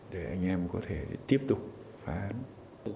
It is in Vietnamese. để anh em có thể tiếp tục phá án